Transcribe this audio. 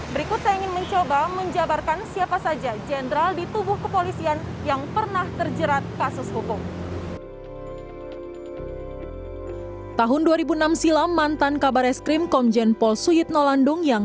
berikut saya ingin mencoba menjabarkan